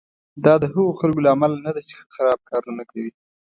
دا د هغو خلکو له امله نه ده چې خراب کارونه کوي.